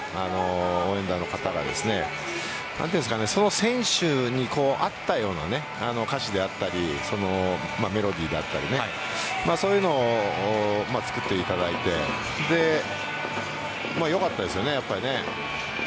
応援団の方がその選手に合ったような歌詞であったりメロディーであったりそういうのを作っていただいてよかったです。